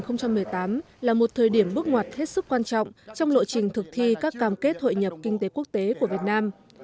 năm hai nghìn một mươi tám là một thời điểm bước ngoặt hết sức quan trọng trong lộ trình thực thi các cam kết hội nhập kinh tế quốc tế của việt nam